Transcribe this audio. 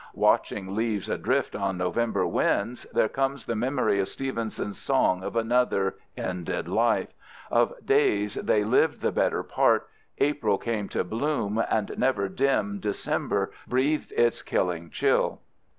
Watching leaves adrift on November winds, there comes the memory of Stevenson's song of another ended life—of days they "lived the better part. April came to bloom and never dim December breathed its killing chill."